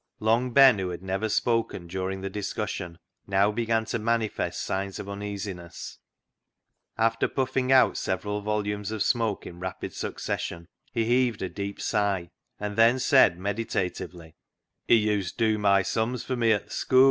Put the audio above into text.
Long Ben, who had never spoken during the discussion, now began to manifest signs of uneasiness. After puffing out several volumes of smoke in rapid succession, he COALS OF FIRE 137 heaved a deep sigh, and then said medita tively —" He used dew my sums for mi at th' schoo'."